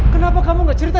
kenapa kamu gak ceritakan